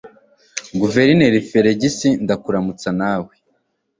Guverineri Feligisi Ndakuramutsa nawe